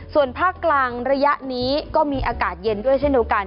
ส่วนภาคกลางระยะนี้ก็มีอากาศเย็นด้วยเช่นเดียวกัน